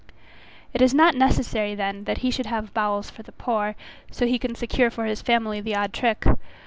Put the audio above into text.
It is not necessary then that he should have bowels for the poor, so he can secure for his family the odd trick.